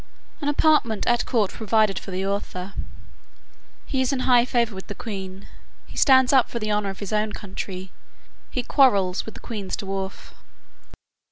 An apartment at court provided for the author. He is in high favour with the queen. He stands up for the honour of his own country. His quarrels with the queen's dwarf.